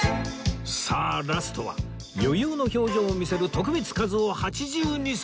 さあラストは余裕の表情を見せる徳光和夫８２歳